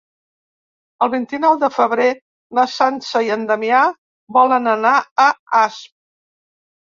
El vint-i-nou de febrer na Sança i en Damià volen anar a Asp.